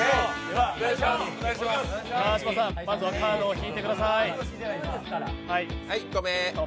川島さん、まずはカードを引いてください。